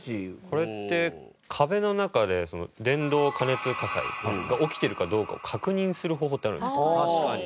これって壁の中でその伝導過熱火災が起きてるかどうかを確認する方法ってあるんですか？